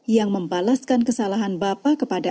yang membalaskan kesalahan bapak kepada